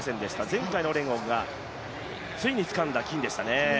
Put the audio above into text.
前回のオレゴンは、ついにつかんだ金でしたね。